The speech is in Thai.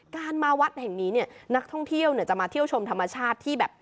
การมาวัดแห่งนี้เนี่ยนักท่องเที่ยวเนี่ยจะมาเที่ยวชมธรรมชาติที่แบบ